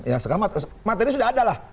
ya materi sudah ada lah